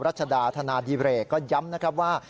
รัชดาธนาดิเรกก็ย้ำนะครับว่า